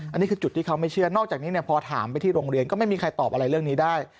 อันนี้คือจุดที่เขาไม่เชื่อนอกจากนี้พอถามไปที่โรงเรียนก็ไม่มีใครตอบอะไรเรื่องนี้ได้